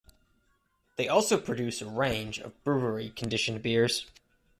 They also produce a range of brewery-conditioned beers.